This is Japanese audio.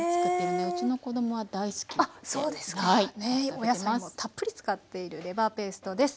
お野菜もたっぷり使っているレバーペーストです。